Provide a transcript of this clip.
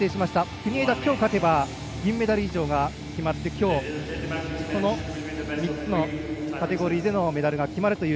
国枝、きょう勝てば銀メダル以上が決まってきょう、この３つのカテゴリーでのメダルが決まるという。